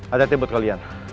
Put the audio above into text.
ada tim buat kalian